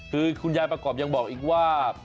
คือคุณยายประกอบยังบอกอีกว่า